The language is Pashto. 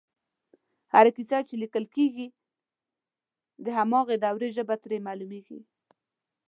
هره کیسه چې لیکل کېږي د هماغې دورې ژبه ترې معلومېږي